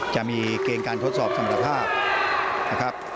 จะมีเกณฑ์การทดสอบสมภาพนะครับ